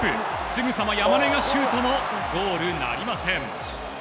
すぐさま山根がシュートもゴールなりません。